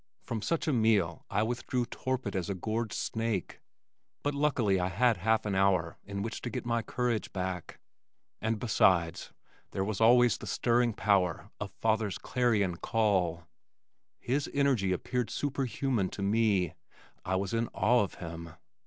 From such a meal I withdrew torpid as a gorged snake, but luckily I had half an hour in which to get my courage back, and besides, there was always the stirring power of father's clarion call. His energy appeared superhuman to me. I was in awe of him.